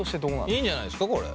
いいんじゃないですかこれ。